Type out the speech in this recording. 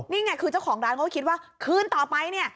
นี่ไงคือเจ้าของร้านเขาก็คิดว่าคืนต่อไปเนี่ย